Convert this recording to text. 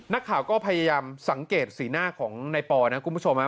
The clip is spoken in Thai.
นักข่าวก็พยายามสังเกตสีหน้าของในปอนะคุณผู้ชมฮะ